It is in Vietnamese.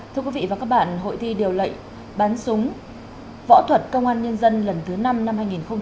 thưa quý vị và các bạn hội thi điều lệnh bắn súng võ thuật công an nhân dân lần thứ năm năm hai nghìn hai mươi ba